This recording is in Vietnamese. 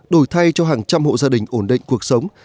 đổi thay cho hàng trăm hộ gia đình ổn định cuộc sống